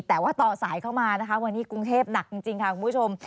แต่ว่าต่อสายเข้ามานะคะวันนี้กรุงเทพหนักจริงค่ะคุณผู้ชม